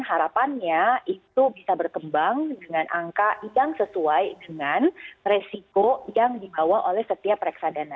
harapannya itu bisa berkembang dengan angka yang sesuai dengan resiko yang dibawa oleh setiap reksadana